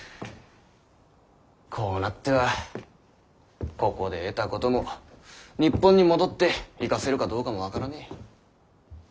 こうなってはここで得たことも日本に戻って生かせるかどうかも分からねぇ。